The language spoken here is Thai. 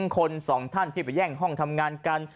คน๒ท่านที่ไปแย่งห้องทำงานกัน